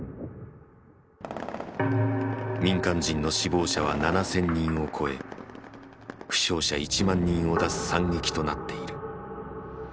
民間人の死亡者は７，０００人を超え負傷者１万人を出す惨劇となっている。